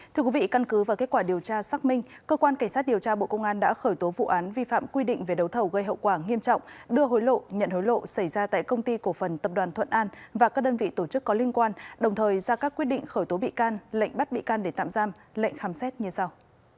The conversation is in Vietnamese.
thưa quý vị căn cứ và kết quả điều tra xác minh cơ quan cảnh sát điều tra bộ công an đã khởi tố vụ án vi phạm quy định về đấu thầu gây hậu quả nghiêm trọng đưa hối lộ nhận hối lộ xảy ra tại công ty cổ phần tập đoàn thuận an và các đơn vị tổ chức có liên quan đồng thời ra các quyết định khởi tố bị can lệnh bắt bị can để tạm giam lệnh khám xét như sau